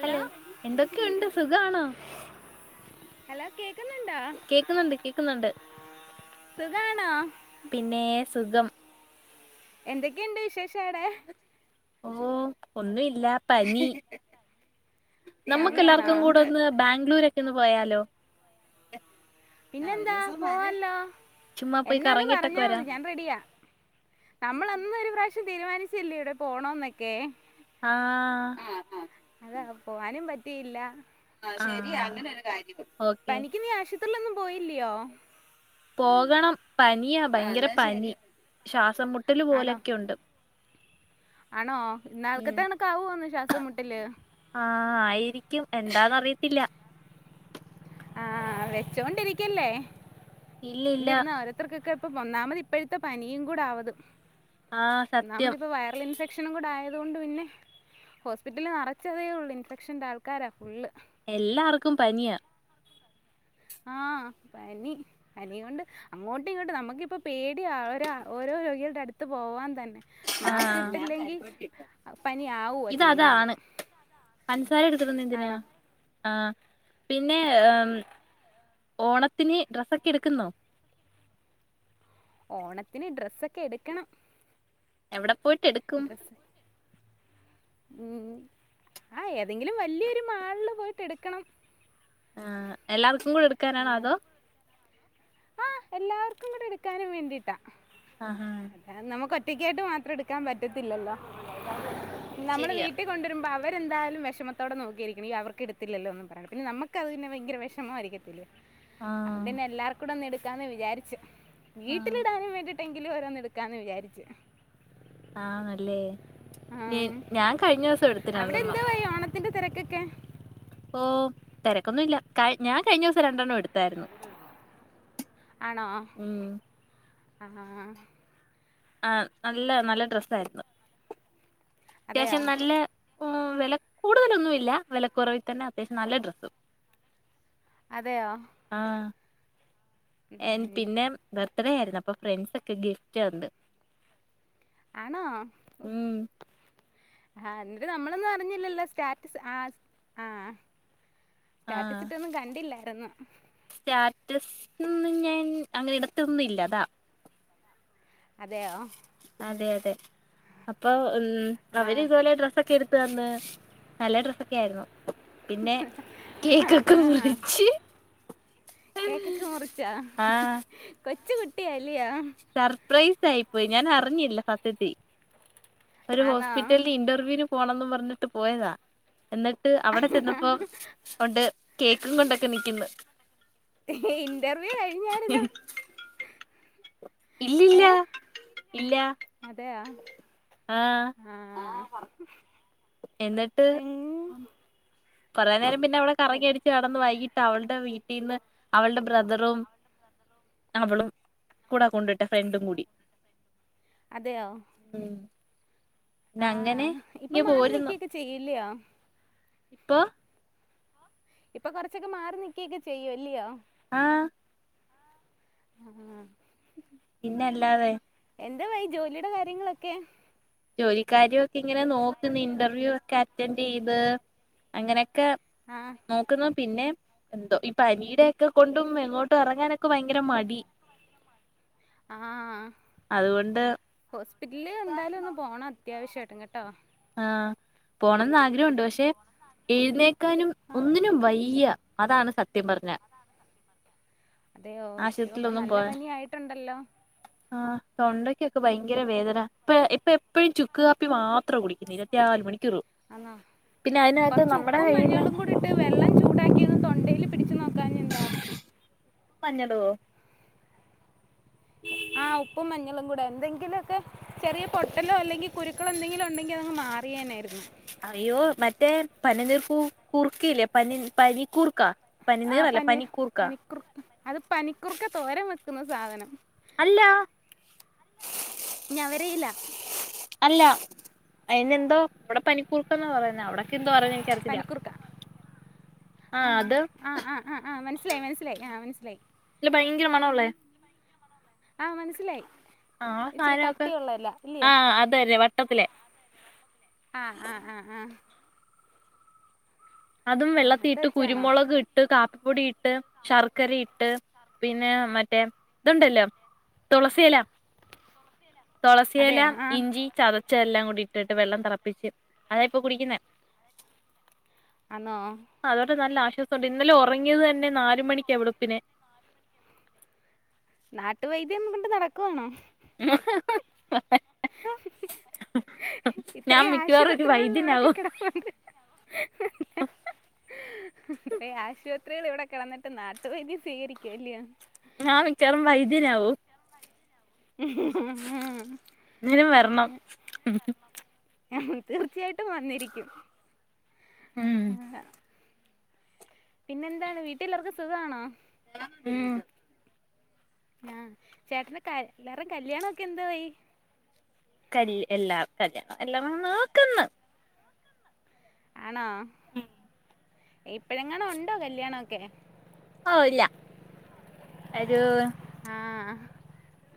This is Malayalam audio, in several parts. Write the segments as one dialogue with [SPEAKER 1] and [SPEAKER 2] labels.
[SPEAKER 1] ഹലോ എന്തൊക്കെയുണ്ട് സുഖാണോ
[SPEAKER 2] ഹലോ കേൾക്കുന്നുണ്ടോ
[SPEAKER 1] കേക്കുന്നുണ്ട് കേക്കുന്നുണ്ട്
[SPEAKER 2] സുഖാണോ
[SPEAKER 1] പിന്നേ സുഖം
[SPEAKER 2] എന്തൊക്കേണ്ട് വിശേഷ അടെ
[SPEAKER 1] ഓ ഒന്നു ഇല്ല പനി നമ്മുക്ക്
[SPEAKER 2] പനിയാണോ
[SPEAKER 1] എല്ലാർക്കും കൂടെ ഒന്ന് ബാംഗ്ലൂരൊക്കെ ഒന്ന് പോയാലോ
[SPEAKER 2] പിന്നെന്താ പോവാല്ലോ
[SPEAKER 1] ചുമ്മാ പോയി
[SPEAKER 2] എന്നാന്ന്
[SPEAKER 1] കറങ്ങിട്ടൊക്കെ
[SPEAKER 2] പറഞ്ഞാ മതി
[SPEAKER 1] വരാം
[SPEAKER 2] ഞാൻ റെഡിയാ നമ്മള് അന്ന് ഒരു പ്രാവശ്യം തീരുമാനിച്ചില്ലേ എവിടെ പോണോന്നൊക്കെ
[SPEAKER 1] ആഹ്
[SPEAKER 2] ട്ടിയില്ല
[SPEAKER 1] ആഹ് ശരി അങ്ങനെൊരു കാര്യ [unintelligible]
[SPEAKER 2] പനിക്ക് നീ ആശുപത്രിയിലൊന്നും പോയില്ലയോ
[SPEAKER 1] പോകണം പനിയാ ഭയങ്കര പനി ശ്വാസം മുട്ടല്
[SPEAKER 2] ആണോ
[SPEAKER 1] പോലൊക്കെയുണ്ട്
[SPEAKER 2] ആണോ ഇന്നാൾക്കത്തണക്കാവോന്ന് ശ്വാസം മുട്ടല്
[SPEAKER 1] ആഹ് ആയിരിക്കും എന്താന്നറിയത്തില്ല
[SPEAKER 2] ആഹ് വെച്ചോണ്ടിരിക്കല്ലേ
[SPEAKER 1] ഇല്ല ഇല്ല
[SPEAKER 2] വെച്ചോണ്ടിരുന്നാ ഓരോത്തർക്കൊക്കെ ഇപ്പ ഒന്നാമത് ഇപ്പോഴത്തെ പനിയും കൂട ആവത്
[SPEAKER 1] ആഹ് സത്യം
[SPEAKER 2] ഒന്നാമത് ഇപ്പോ വൈറൽ ഇൻഫെക്ഷനും കൂടെ ആയത് തോണ്ട് പിന്നെ ഹോസ്പിറ്റൽല് നെറച്ചതേ ഉള്ളൂ ഇൻഫെക്ഷൻ്റെ ആൾക്കാരാണ് ഫുള്ള്
[SPEAKER 1] എല്ലാർക്കും പനിയാ
[SPEAKER 2] ആഹ് പനി പനി കൊണ്ട് അങ്ങോട്ടും ഇങ്ങോട്ട് നമ്മുക്കിപ്പ പേടിയാ ഓരോ ത് രോഗികൾടെ അടുത്ത് പോവാൻ തൻ മാസ്ക്
[SPEAKER 1] ആഹ്
[SPEAKER 2] ഇട്ടില്ലെങ്കി പനി ആഉആ ചെയ്യുന്നത്.
[SPEAKER 1] ഇതതാണ് പൻസാര എടുത്തിടുന്നെ എന്തിനാ
[SPEAKER 2] ആണോ
[SPEAKER 1] ആഹ് പിന്നെ എം ഓണത്തിന് ഡ്രസ്സൊക്കെ എടുക്കുന്നോ?
[SPEAKER 2] ഓണത്തിന് ഡ്രെസ്സൊക്കെ എടുക്കണം
[SPEAKER 1] എവിടെ പോയിട്ട് എടുക്കും?
[SPEAKER 2] ഉം ആഹ് ഏതെങ്കിലും വല്ല്യോരു മാൾല് പോയിട്ട് എടുക്കണം
[SPEAKER 1] ആഹ് എല്ലാർക്കും കൂടെ എടുക്കാനാണോ അതോ
[SPEAKER 2] ആഹ് എല്ലാർക്കും കുടെ എടുക്കാനും വേണ്ടിട്ടാ
[SPEAKER 1] ആഹ് ഹ
[SPEAKER 2] ട്ടിക്കേട്ട് മാത്രം എടുക്കാൻ പറ്റത്തില്ലല്ലോ. നമ്മൾ വീട്ടിൽ കൊണ്ടൊരുമ്പോ ആവ് വരെന്തായാലും വെഷമത്തോടെ നോക്കിയിരിക്ണ്. ഈ അവർക് എടുത്തില്ലല്ലോ ഒന്നും പറയണം. പിന്നെ നമുക്കത് പിന്നെ ഭയങ്കര വെഷമമായിരിക്കത്തില്ലേ
[SPEAKER 1] ആഹ്
[SPEAKER 2] അടെന്നെ എല്ലാർ കൂടെ ഒന്ന് എടുക്കാന്ന് വിചാരിച്ചു.
[SPEAKER 1] ആഹ്
[SPEAKER 2] വീട്ടിലിടാനും വേണ്ടി ട്ടെങ്കിലു രോന്ന് എടുക്കാന്ന് വിചാരിച്ച്
[SPEAKER 1] ആണല്ലേ ഞേ
[SPEAKER 2] ആം.
[SPEAKER 1] ഞാൻ കഴിഞ്ഞോസം എടുത്ത് രണ്ടെണ്ണം
[SPEAKER 2] ന്തിന്റെ തിരക്കൊക്കെ
[SPEAKER 1] ഓഹ് തിരക്കൊന്നും ഇല്ല. കായ് ഞാൻ കഴിഞ്ഞോസം രണ്ടെണ്ണം എടുത്തായിരുന്നു.
[SPEAKER 2] ആണോ
[SPEAKER 1] ഉം
[SPEAKER 2] ആഹ്
[SPEAKER 1] ആഹ് നല്ല നല്ല ഡ്രസ്സ് ആയിരുന്നു.
[SPEAKER 2] അതെയോ
[SPEAKER 1] അത്യാവശ്യം നല്ല ഉം വെല കൂടുതലൊന്നു ഇല്ല വെലക്കുറവിൽ തന്നെ അത്യാവശ്യം നല്ല ഡ്രസ്സും
[SPEAKER 2] അതെയോ
[SPEAKER 1] ഏം
[SPEAKER 2] ഉം.
[SPEAKER 1] പിന്നെ ബെർത്ത്ഡേ ആയിര്ന്ന് അപ്പൊ ഫ്രണ്ട്സാെക്കെ ഗിഫ്റ്റ് തന്ന്
[SPEAKER 2] ആണോ ഓഹ്
[SPEAKER 1] ഉം
[SPEAKER 2] ആഹ് ന്നിട്ട് നമ്മളൊന്നും അറിഞ്ഞില്ലല്ലോ സ്റ്റാറ്റസ് ആഹ് സ് ആഹ്
[SPEAKER 1] ആഹ്
[SPEAKER 2] സ്റ്റാറ്റസിട്ടാെന്നും കണ്ടില്ലായ്ര്ന്ന്
[SPEAKER 1] റ്റസാെന്നും ഞാൻ അങ്ങനെ ഇടത്തൊന്നും ഇല്ല അതാ
[SPEAKER 2] അതെയോ
[SPEAKER 1] അതെ അതെ അപ്പൊ ഉം
[SPEAKER 2] ആ
[SPEAKER 1] അവര് ഇതുപോലെ ഡ്രസ്സൊക്കെ എടുത്തു തന്ന് നല്ല ഡ്രസ്സൊക്കെ ആയിരുന്നു പിന്നെ കേക്കൊക്കെ
[SPEAKER 2] ആ
[SPEAKER 1] മുറിച്ച്
[SPEAKER 2] കേക്കൊക്കെ മുറിച്ചാ
[SPEAKER 1] ആഹ്
[SPEAKER 2] കൊച്ച് കുട്ടിയാ
[SPEAKER 1] സർപ്രൈസ് ആയിപ്പോയി ഞാൻ അറിഞ്ഞില്ല സത്യത്തി ഒരു
[SPEAKER 2] ആണോ
[SPEAKER 1] ഹോസ്പിറ്റലില് ഇന്റർവ്യൂവിന് പോണംന്ന് പറഞ്ഞിട്ട് പോയതാ എന്നിട്ട് അവിടെ ചെന്നപ്പോ ഒണ്ട് കേക്കും കൊണ്ടൊക്കെ നിക്കുന്ന്
[SPEAKER 2] ഇന്റർവ്യൂ കഴിഞ്ഞായിരുന്നോ
[SPEAKER 1] ഇല്ലില്ല
[SPEAKER 2] ഏ
[SPEAKER 1] ഇല്ലാ
[SPEAKER 2] ആഹ്
[SPEAKER 1] എന്നിട്ട് കൊറേ നേരം പിന്നെ അവിടെ കറങ്ങി അടിച്ച് നടന്ന് വൈകി അവളുടെ വീട്ടീന്ന് അവളുടെ ബ്രദറും അവളും കൂടാ കൊണ്ട് വിട്ടേ ഫ്രണ്ടും കൂടി
[SPEAKER 2] അതെയോ
[SPEAKER 1] ഉം പിന്നെ അങ്ങനെ
[SPEAKER 2] ആഹ്
[SPEAKER 1] ഇങ്ങ്
[SPEAKER 2] ഇപ്പം മാറി
[SPEAKER 1] പോരുന്നു
[SPEAKER 2] നിക്കുവൊക്കെ ചെയ്യും ഇല്ലിയോ
[SPEAKER 1] ഇപ്പൊ
[SPEAKER 2] ഇപ്പൊ കൊറച്ചൊക്കെ മാറി നിക്കുയൊക്കെ ചെയ്യും അല്ലിയോ
[SPEAKER 1] ആഹ്
[SPEAKER 2] ആഹ്
[SPEAKER 1] പിന്നല്ലാതെ
[SPEAKER 2] എന്തോ ആയി ജോലിയുടെ കാര്യങ്ങളൊക്കെ
[SPEAKER 1] ജോലി കാര്യം ഒക്കെ ഇങ്ങനെ നോക്കുന്ന് ഇന്റർവ്യൂ ഒക്കെ അറ്റൻഡ് ചെയ്ത് അങ്ങനെ ക്കെ
[SPEAKER 2] ആ
[SPEAKER 1] നോക്കുന്ന പിന്നെ എന്തോ ഈ പനിയുടെ ഒക്കെ കൊണ്ടും എങ്ങോട്ടും ഇറങ്ങാനൊക്കെ ഭയങ്കര മടി
[SPEAKER 2] ആഹ്
[SPEAKER 1] അതുകൊണ്ട്
[SPEAKER 2] ഹോസ്പിറ്റലില് എന്തായാലും ഒന്ന് പോണം അത്യാവശ്യമായിട്ടും കേട്ടോ
[SPEAKER 1] ആഹ് പോണംന്ന് ആഗ്രഹമുണ്ട് പക്ഷേ എഴുന്നേക്കാനും
[SPEAKER 2] ആ
[SPEAKER 1] ഒന്നിനും വയ്യ അതാണ് സത്യം പറഞ്ഞാ
[SPEAKER 2] അതെയോ ശോ അപ്പോ
[SPEAKER 1] ആശുപത്രിയിലൊന്നും
[SPEAKER 2] നല്ല
[SPEAKER 1] പോവാൻ
[SPEAKER 2] പനി ആയിട്ടുണ്ടല്ലോ
[SPEAKER 1] ആഹ് തൊണ്ടക്കൊക്കെ ഭയങ്കര വേദന ഇപ്പ ഇപ്പ എപ്പഴും ചുക്ക് കാപ്പി മാ ത്രാ കുടിക്കുന്നേ ഇരുപത്തിനാല് മണി
[SPEAKER 2] ആന്നോ കൊറച്ച്
[SPEAKER 1] നമ്മുടെ
[SPEAKER 2] ഉപ്പും
[SPEAKER 1] കഴിയുന്ന
[SPEAKER 2] മഞ്ഞളും കൂടി ഇട്ട് വെള്ളം ചൂടാക്കി ഒന്ന് തൊണ്ടേല് പിടിച്ചു നോ ക്കാഞ്ഞേ എന്താ
[SPEAKER 1] ഉപ്പും മഞ്ഞളോ
[SPEAKER 2] ആഹ് ഉപ്പും മഞ്ഞളും കൂടെ എന്തെങ്കിലും ഒക്കെ ചെറിയ പൊട്ടലോ അല്ലെങ്കിൽ കുരു ക്കൾ എന്തങ്കിലും ഉണ്ടെങ്കിൽ അതങ്ങ് മാറിയേനെയാരുന്ന്
[SPEAKER 1] അയ്യോ മറ്റേ പനിനീർകൂർക്ക ഇല്ലേ പനി പനിക്കൂർക്ക
[SPEAKER 2] ആ
[SPEAKER 1] പനിനീറല്ല
[SPEAKER 2] പനി
[SPEAKER 1] പനിക്കൂർക്ക
[SPEAKER 2] പനിക്കുർ അത് പനിക്കുറുക്ക തോരം വെക്കുന്ന സാധനം
[SPEAKER 1] അല്ല
[SPEAKER 2] ഞാ വര ഇല്ല
[SPEAKER 1] അല്ല അതിന് എന്തോ ഇവിടെ പനിക്കൂർക്കന്നാ പറയുന്ന അവിടക്കെ
[SPEAKER 2] പനിക്കുർക്ക ആ
[SPEAKER 1] ആഹ് അത്
[SPEAKER 2] ആ ആ ആ ആ് മനസ്സിലായി മനസ്സിലായി ആ മനസ്സില
[SPEAKER 1] ഭയങ്കര മണള്ളെ
[SPEAKER 2] ആഹ് മനസ്സിലായി
[SPEAKER 1] ആ
[SPEAKER 2] ഇച്ചിരി
[SPEAKER 1] സാധനമൊക്കെ
[SPEAKER 2] കട്ടിയള്ളല്ല ഇല്ലയേ
[SPEAKER 1] ആഹ് അത് തന്നെ വട്ടത്തിലെ
[SPEAKER 2] ആഹ് ആഹ് ആഹ് ആഹ
[SPEAKER 1] അതും
[SPEAKER 2] ആഹ്
[SPEAKER 1] വെള്ളത്തി
[SPEAKER 2] അത്
[SPEAKER 1] ഇട്ട്
[SPEAKER 2] വെച്ചാണോ
[SPEAKER 1] കുരുമുളക് ഇട്ട് കാ പ്പിപ്പൊടി ഇട്ട് ശർക്കര ഇട്ട് പിന്നെ മറ്റേ ഇതുണ്ടല്ലോ തുളസില തുളസില
[SPEAKER 2] അതെയോ ആഹ്
[SPEAKER 1] ഇഞ്ചി ചതച്ച എല്ലാം കൂടി ഇട്ടിട്ട് വെള്ളം തിളപ്പിച്ച് അതാ ഇപ്പൊ കുടിക്കുന്നേ
[SPEAKER 2] ആന്നോ
[SPEAKER 1] ആ അതോണ്ട് നല്ല വിശ്വാസമുണ്ട് ഇന്നലെ ഉറങ്ങിയത് തന്നെ നാല മണിക്ക് എവിടെപ്പന്നെ
[SPEAKER 2] നാട്ടുവൈദ്യംം കൊണ്ട് നടക്കുവാണോ
[SPEAKER 1] ആ [unintelligible]
[SPEAKER 2] [unintelligible]
[SPEAKER 1] ഞാൻ
[SPEAKER 2] ഇത്രയും
[SPEAKER 1] മിക്കവാറും ഒരു
[SPEAKER 2] ആശുപത്രികൾ നോടക്കെ
[SPEAKER 1] വൈദ്യനാവും
[SPEAKER 2] കിടപ്പണ്ട് ഇ ആശുപത്രികൾ ഇവിടെ കിടന്നിട്ട് നാട്ടുപദ്യ സ്വീകരിക്കുവല്ലയോ
[SPEAKER 1] നാന് കരമ്പ ഇതേ അു
[SPEAKER 2] എ
[SPEAKER 1] എന്തേലും വരണം
[SPEAKER 2] [unintelligible] തീർച്ചയായിട്ടും വന്നിരിക്കും
[SPEAKER 1] ഉം
[SPEAKER 2] ആ പിന്നെ എന്താണ് വീട്ടിലാവർക്കും സുഖമാണോ
[SPEAKER 1] [unintelligible]
[SPEAKER 2] ആഹ ചേട്ടന എല്ലാരും കല്യാണൊക്കെ എന്താ വയി
[SPEAKER 1] കല് എല്ലാം കല്യാണം എല്ലാം നോക്കന്ന്
[SPEAKER 2] ആണോ ഇപ്പഴെങ്ങണോ ഉണ്ടോ കല്യാണൊക്കെ
[SPEAKER 1] ല്ല ഒരു
[SPEAKER 2] ആഹ്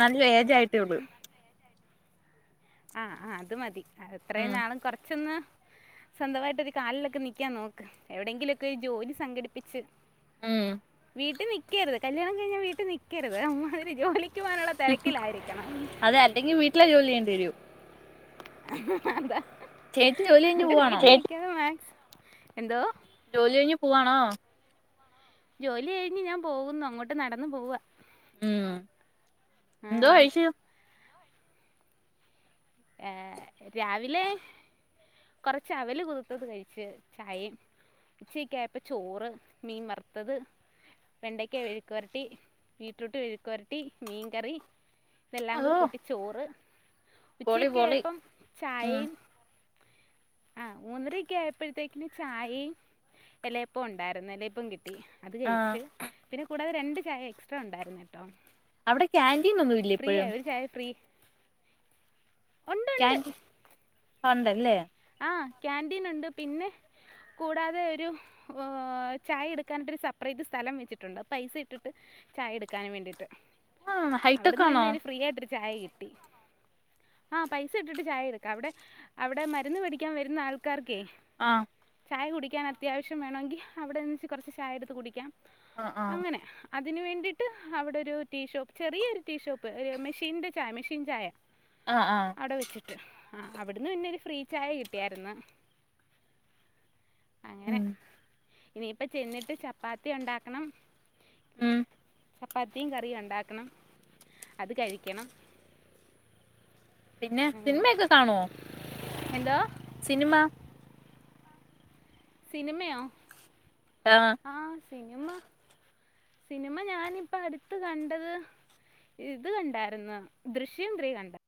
[SPEAKER 1] നല്ല ഏജ ആയിട്ടേള്ളു
[SPEAKER 2] ആഹ ആ അത് മതി എത്രയും
[SPEAKER 1] ഉം
[SPEAKER 2] നാളും കൊറച്ചൊന്ന് സ്വന്തമായിട്ട് ഒരു കാലിലൊക്കെ നിക്കാൻ നോക്ക് എവിടെയെങ്കിലുംൊക്കെ ജോലി സംഘടിപ്പിിച്ചച്ച്
[SPEAKER 1] ഉം
[SPEAKER 2] വീട്ടിൽ നിിക്കക്കരുത് കല്യാണം കഴിഞ്ഞാൽ വീട്ടിൽ നിിക്കരുത് അ്മാതി ജോലി ുവാനുള്ള തിരക്കിലായിരിക്കണം
[SPEAKER 1] അതെ അല്ലെങ്കിൽ വീട്ടിലെ ജോലി ചെയ്യേണ്ടി വരും
[SPEAKER 2] ാ
[SPEAKER 1] ചേച്ചി ജോലി കഴിഞ്ഞ് പോവാണോ
[SPEAKER 2] എന്തോ
[SPEAKER 1] ജോലി കഴിഞ്ഞഞ് പോവവാണോ
[SPEAKER 2] ജോലി കഴിഞ്ഞ് ഞാൻ പോകുന്നു അങ്ങോട്ട് നടന്നു പോവാ
[SPEAKER 1] ഉം എന്തോ
[SPEAKER 2] ആഹ്
[SPEAKER 1] കഴിച്ച
[SPEAKER 2] ഏർ രാവിലെ കൊറച്ച് അവല് കുതിത്തത് കഴിച്ചു ചായ ചച്ചക്കപ്പ ചോറ് മീൻ വറുത്തത് വെണ്ടയ്ക്ക വെഴുക്ക്ുരട്ടി ബീടറൂട്ട് വെഴുക്ക്ുരട്ടി മീൻകറി വെല്ലാങ്ക
[SPEAKER 1] അതോ
[SPEAKER 2] കൂട്ടി ചോറ്
[SPEAKER 1] പൊളി പൊളി
[SPEAKER 2] ഉച്ചക്ക്പ്പം
[SPEAKER 1] ഉം
[SPEAKER 2] ചായയും ആ ഊന്നരക്കെ ആയപ്പോഴത്തേക്കിന് ചായയും ഇലപ്പ ഉണ്ടായിരുന്നു എലപ്പം കിട്ടി അത്
[SPEAKER 1] ആ
[SPEAKER 2] കഴിിച്ചച്ച് പിന്നെ കൂടാതെ രണ്ട് ചായ എക്സ്ട്രാ ഉണ്ടായിരുന്നു കേട്ടോ
[SPEAKER 1] അവിടെ കാക്യാാന്റീൻ ഒന്നും ഇല്ല
[SPEAKER 2] ഫ്രീ
[SPEAKER 1] ഇപ്പോഴും
[SPEAKER 2] ആയി ഒരു ചായ ഫ്രീ ഉണ്ട് ഉണ്ട്
[SPEAKER 1] ൻീ ഉണ്ടല്ലേ
[SPEAKER 2] ആ ക്യാാന്റീൻ ഉണ്ട് പിന്നെ കൂടാതെ ഒരു ചായ എടുക്കാനിട്ട്രു സെപ്പറേറ്റ് സ്ഥലം വെച്ചിട്ടുണ്ട് പൈസ ഇട്ടിട്ട് ചായ എടുക്കാനും വേണ്ടിട്ട്.
[SPEAKER 1] ആ ഹൈടെക്
[SPEAKER 2] അവിടുന്ന്
[SPEAKER 1] ആണോ
[SPEAKER 2] പിന്നെഇനി ഫ്രീ ആയിട്ടെ ചായ കിട്ടി. ആഹ് പൈസ ഇട്ടിട്ട് ചായ എടുക്കാ. അവ്ടെ, അവ്ടെ മറ്റേ മരുന്ന് വേടിക്കാൻ വരുന്ന ആൾക്കാർക്കേയ്
[SPEAKER 1] ആഹ്.
[SPEAKER 2] ചായ കുടിക്കാൻ അത്യാവശ്യം വേണോൻങ്കി, അവടന്ന്ച്ച് കുറ ച്ച് ചായ ടത്ത് കുടിക്കാം.
[SPEAKER 1] ആഹ്, ആഹ്.
[SPEAKER 2] തിന്ന് വേണ്ടിയിട്ട്, അവിടെ ഒരു ടീഷോപ്പ്. ചെറിയൊരു ടീഷോപ്പ്. ഒര് മെഷീൻ്റെ ചായ, മെഷീൻ ചായ.
[SPEAKER 1] ആ ആ
[SPEAKER 2] അടെ വെച്ചിട്ട്. ആഹ്, അവിടുന്ന് പിന്നെ ഒര് ഫ്രീ ചായ കിട്ടിയായിരുന്ന്
[SPEAKER 1] ഉം
[SPEAKER 2] അങ്ങനെ- ഇനിയിപ്പ ചെന്നിട്ട് ചപ്പാത്തി ഉണ്ടാക്കണം.
[SPEAKER 1] ഉം
[SPEAKER 2] ചപ്പാത്തിയും കറിയും ഒണ്ടാക്കണം അത് കഴിക്കണം.
[SPEAKER 1] പിന്നെ
[SPEAKER 2] അങ്ങനെ
[SPEAKER 1] സിനിമയൊക്കെ കാണുവോ
[SPEAKER 2] എന്തോ
[SPEAKER 1] സിനിമ?
[SPEAKER 2] സിനിമയോ
[SPEAKER 1] ആ
[SPEAKER 2] ആഹ് സിനിമ- സിനിമ ഞാനിപ്പൊ അടുത്ത് കണ്ടത്. ഇത് കണ്ടായിരുന്നു ദൃശ്യം ത്രീ കണ്ട്.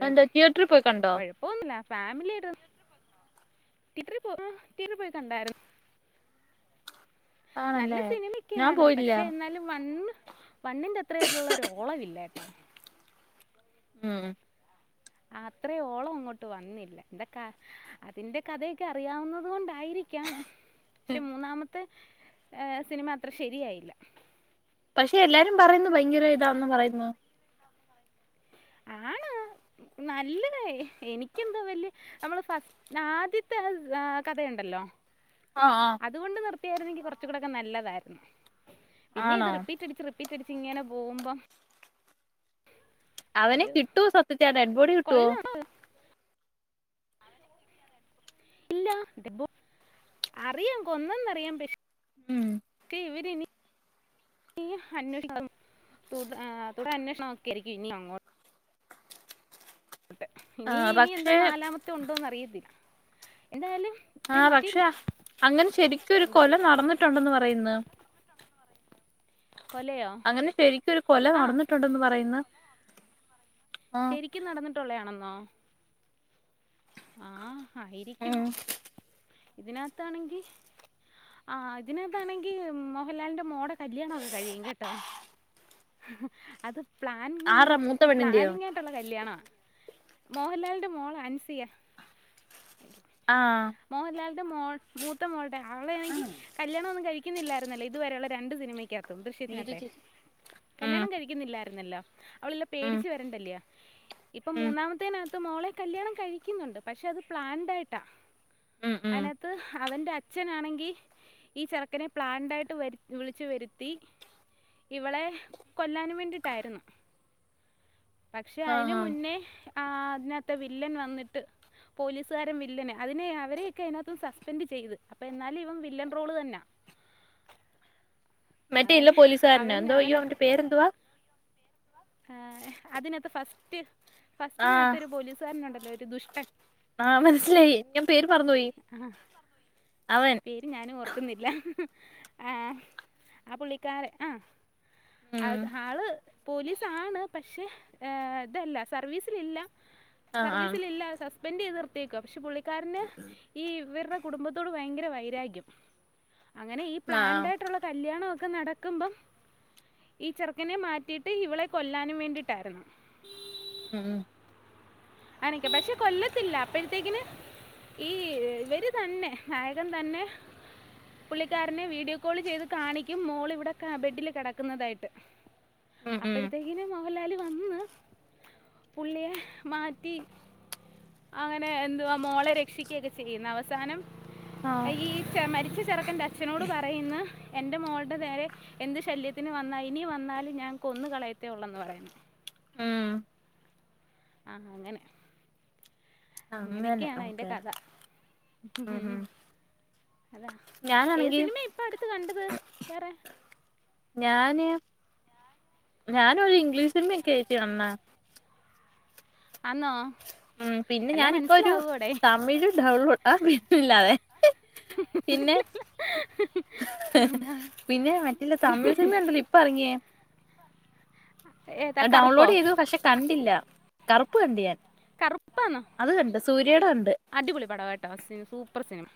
[SPEAKER 1] അതെന്താ തീയറ്ററിൽ പോയി കണ്ടോ?
[SPEAKER 2] ഫാമിലി ആയിട്ട് തിയേറ്ററിൽ പോ തിയേറ്ററിൽ പോയി കണ്ടാര്ന്നു. നല്ല
[SPEAKER 1] ആണല്ലേ ഞാൻ
[SPEAKER 2] സിനിമെക്കെയാണ്
[SPEAKER 1] പോയില്ല
[SPEAKER 2] പക്ഷെ എന്നാലും വണ്ണ്. വണ്ണിന്റെ അത്രേ ആയിട്ടുള്ള ഒരോളം ഇല്ലാട്ടോ.
[SPEAKER 1] ഉം.
[SPEAKER 2] അത്രയോളം അങ്ങോട്ട് വന്നില്ല എന്ത അതിന്റെ കഥയൊക്കെ അറിയാവുന്നുന്നത് കൊണ്ടായിരിക്കും. പക്ഷെ മൂന്നാമത്തെ സിനിമ അത്ര ശരിയായില്ല.
[SPEAKER 1] പക്ഷെ എല്ലാരും പറയുന്നു ഭയങ്കര ഇതാന്ന് പറയുന്നു.
[SPEAKER 2] ആണ്. നല്ലത് എനിക്കെന്താ വലിയ നമ്മള് ഫസ്റ്റ് ആദ്യത്തെ കഥയുണ്ടല്ലോ. ഇല്ലാ-
[SPEAKER 1] ആ ആ
[SPEAKER 2] അതുകൊണ്ട് നിർത്തിയായിരുന്നെങ്കിൽ കൊറച്ച് കൂടൊക്കെ നല്ലതാരുന്നു പിന്നെ ഇത്
[SPEAKER 1] ആണോ
[SPEAKER 2] റിപ്പീറ്റ്ടിച്ച് റിപ്പീറ്റ്. തിരിച്ച് ഇങ്ങനെ പോകുമ്പം- ഒരു
[SPEAKER 1] അവനെക്ക് കിട്ടുവോ സത്യത്തിൽ ആ ഡെഡ് ബോഡി കിട്ടുവോ?
[SPEAKER 2] കൊള്ളാം ഇല്ല ഡെ ഡ്അറിയാം കൊ കൊന്നന്നറിയാം പ
[SPEAKER 1] ഉം
[SPEAKER 2] ഇവരിനി- ഇ അന്വേഷണം തുടർ അന്വേഷണം ഒക്കെ ആയിരിക്കും ഇനി അങ്ങോട്ട്. ട്ടെ
[SPEAKER 1] ആ
[SPEAKER 2] ഇനി ഇനി എന്താ
[SPEAKER 1] പക്ഷെ
[SPEAKER 2] നാലാമത്തെ ഉണ്ടോന്ന് അറിയത്തില്ല എന്തായാലും. ഒരു
[SPEAKER 1] ആഹ്
[SPEAKER 2] മതി
[SPEAKER 1] പക്ഷെ അങ്ങനെ ശരിക്കും ഒരു
[SPEAKER 2] എന്തോ
[SPEAKER 1] കൊല നടന്നിട്ടുണ്ടെന്ന് പറയുന്ന്.
[SPEAKER 2] കൊലയോ
[SPEAKER 1] അങ്ങനെ ശരിക്കും ഒരു കൊല
[SPEAKER 2] ആ
[SPEAKER 1] നടന്നിട്ടുണ്ടന്ന് പറയുന്ന്- ആ
[SPEAKER 2] ശരിക്കും നടന്നിട്ടുള്ളയാണെന്നോ? ആഹ് ആയിരിക്കും ഇതിനകത്താണെങ്കി. ആ അതിനെന്താണെങ്കി മോഹൻലാലിന്റെ മോടെ കല്യാണം ഒക്കെ കഴിയും കേട്ടോ. അത്. പ്ലാൻ
[SPEAKER 1] ആര്ടാ മൂത്ത പെണ്ണിന്റെയോ
[SPEAKER 2] പ്ലാനിങ്ങായിട്ടുള്ള കല്ല്യാണ മോഹൻലാലിൻ്റെ മോൾ അൻസിയ
[SPEAKER 1] ആഹ്
[SPEAKER 2] മോഹൻലാലിന്റെ മോൾ മൂത്ത മോളുടെ അവളാണെങ്കിൽ കല്യാണം ഒന്നും കഴിക്കുന്നില്ലായിരുന്നല്ലോ ഇതുവരെെയുള്ള രണ്ട് സിനിമയ്ക്കത്തും.
[SPEAKER 1] നീതു
[SPEAKER 2] ദൃശ്യത്തിനത്തെ
[SPEAKER 1] ചേച്ചി ഉം
[SPEAKER 2] കല്യാണം കഴിക്കുന്നില്ലായിരുന്നല്ലോ? അവളില്ല
[SPEAKER 1] ഉം
[SPEAKER 2] പേടിച്ചു വെരണ്ടല്ലിയോ ഇപ്പ
[SPEAKER 1] ഉം
[SPEAKER 2] മൂന്നാമത്തേനാത്ത് മോളെ കല്യാണം കഴി കഴിക്കുന്നുണ്ട്പക്ഷേ അത് പ്ലാൻഡ് ആയിട്ടാ
[SPEAKER 1] ഉം ഉം
[SPEAKER 2] അതിനാത്ത്- അവൻ്റെ അച്ഛനാണെങ്കി ഈ ചെറുക്കനെ പ്ലാൻഡായിട്ട് വരു വിളിച്ചു വരുത്തി. ഇവളെ കൊല്ലാനു വേണ്ടിട്ടാരുന്നു പക്ഷേ
[SPEAKER 1] ആ
[SPEAKER 2] അയിന്
[SPEAKER 1] ആ
[SPEAKER 2] മുന്നേ ആഹ് അതിനത്തെ വില്ലൻ വന്നിട്ട് പോലീസുകാരും വില്ലന് അതിനെ അവരെയൊക്കെ അതിനകത്തും സസ്പെൻഡ് ചെയ്ത് അപ്പ എന്നാലും ഇവൻ വില്ലൻ റോള് തന്നാ.
[SPEAKER 1] മറ്റേ ഇല്ല പോലീസുകാരനോ
[SPEAKER 2] അവൻ
[SPEAKER 1] എന്തോ അയ്യോ
[SPEAKER 2] അവനൊക്കെ
[SPEAKER 1] അവന്റെ പേരെന്തുവാ
[SPEAKER 2] ആ അതിനകത്ത് ഫസ്റ്റ് ഫസ്റ്റിനകത്ത ഒരു പോലീസുകാരനുണ്ടല്ലോ ഒരു ദുഷ്
[SPEAKER 1] ആഹ മനസ്സിലായി ഞാൻ പേര് മറന്നു പോയി
[SPEAKER 2] ആ
[SPEAKER 1] അവൻ
[SPEAKER 2] കട്ടുന്നില്ല ആഹ് ആ പുള്ളിക്കാരൻ ആ
[SPEAKER 1] ഉം
[SPEAKER 2] അത് ആള് പോലീസാണ് പക്ഷേ ഇതല്ല സർവീസിലില്ല
[SPEAKER 1] ആ ആ
[SPEAKER 2] സർവീസിലില്ല സസ്പെൻഡ് ചെയ്ത് നിർത്തിയേക്കുക പക്ഷെ പുള്ളിക്കാരന് ഈ ഇവർഡ കുടുംബത്തോട് ഭയങ്കര വൈരാഗ്യം അങ്ങനെ ഈ
[SPEAKER 1] ആ
[SPEAKER 2] പ്ലാൻഡയിട്ടുള്ള കല്യാണംഒ ഒക്കെ നടക്കുമ്പം ക്ക ഈ ചെറുക്കനെ മാറ്റിയിട്ട് ഇവളെ കൊല്ലാനും വേണ്ടിയിട്ടായിരുന്ന്
[SPEAKER 1] ഉം ഉം
[SPEAKER 2] അനക്ക പക്ഷെ കൊല്ലത്തില്ല അപ്പഴത്തേക്കിന് ഈ ഇവര് തന്നെ നായകൻ തന്നെ പുള്ളിക്കാരനെ വീഡിയോ കോൾ ചെയ്ത് കാണിക്കും മോള് ഇവിടെ ബെഡില് കിടക്കുന്നതായിട്ട്
[SPEAKER 1] ഉം ഉം
[SPEAKER 2] അപ്പോഴത്തേക്കിന് മോഹൻലാല് വന്ന് പുള്ളിയെ മാ റ്റി അങ്ങനെ എന്തുവാ മോളെ രക്ഷിക്കുകയൊക്കെ ചെയ്യുന്ന അവസാനം
[SPEAKER 1] ആ
[SPEAKER 2] അ ഈ മരിച്ച ചെറക്കന്റെ അച്ഛനോട് പറയുന്ന് എൻ്റെ മോളുടെ നേരെ എന്ത് ശല്യത്തിന് വന്നാ ഇനി വന്നാലും ഞാൻ കൊന്ന് കളയത്തേ ഉള്ളൂന്ന് പറയുന്ന്
[SPEAKER 1] ഉം
[SPEAKER 2] ആ അങ്ങനെ
[SPEAKER 1] അങ്ങനെ
[SPEAKER 2] അങ്ങനെയൊക്കെയാണ് അയിന്റെ
[SPEAKER 1] ഓക്കെ
[SPEAKER 2] കഥ
[SPEAKER 1] ഉം ഉം
[SPEAKER 2] അതാ ഏത്
[SPEAKER 1] ഞാനാണെങ്കി
[SPEAKER 2] സിനിമയാ ഇപ്പ അടുത്ത് കണ്ടത് വേറെ
[SPEAKER 1] ഞാന് ഞാന് ഒരു ഇംഗ്ലീഷ് സിനിമഒക്കെയാച്ചി കാണാണ
[SPEAKER 2] ആന്നോ
[SPEAKER 1] ഉം പിന്നെ ഞാനിപ്പൊ ഒരു തമിഴ് ഡൗൺലോഡ് ആ പിന്നില്ലാതെ പിന്നെ പിന്നെ മറ്റില്ല തമിഴ് സിനിമ ഉണ്ടല്ലോ ഇപ്പ ഇറങ്ങിയേ
[SPEAKER 2] ഏതാ കറുപ്പോ
[SPEAKER 1] ഡൗൺലോഡ് ചെയ്തു പക്ഷെ കണ്ടില്ല കറുപ്പ് കണ്ട് ഞാൻ
[SPEAKER 2] കറുപ്പാന്നോ
[SPEAKER 1] അത് കണ്ട് സൂര്യയുടെ കണ്ട്
[SPEAKER 2] അടിപൊളി പടവാട്ടോ സൂപ്പർ സിനിമ